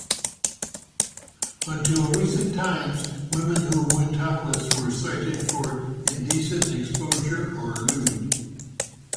Until recent times, women who went topless were cited for indecent exposure or lewd.